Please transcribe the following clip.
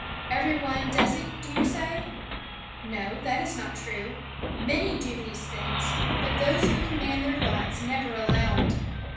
Every one does it do you say? No, that is not true. Many do these things, but those who command their thoughts never allow it.